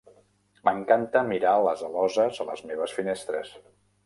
M"encanta mirar les aloses a les meves finestres.